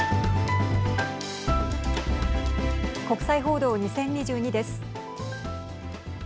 国際報道２０２２です。